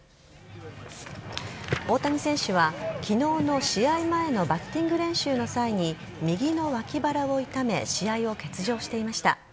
大谷選手は昨日の試合前のバッティング練習の際に右の脇腹を痛め試合を欠場していました。